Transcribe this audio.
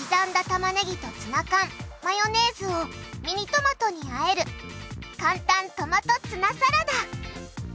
玉ねぎとツナ缶マヨネーズをミニトマトにあえる簡単トマトツナサラダ！